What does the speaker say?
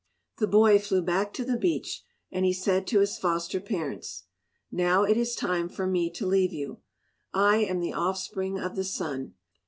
The boy flew back to the beach and he said to his foster parents, "Now it is time for me to leave you. I am the offspring of the sun.